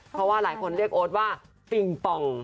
เพราะว่าหลายคนเรียกโอ๊ตว่าปิงปอง